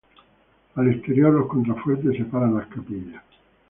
Al exterior los contrafuertes separan las capillas.